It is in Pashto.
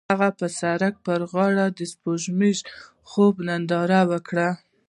هغوی د سړک پر غاړه د سپوږمیز خوب ننداره وکړه.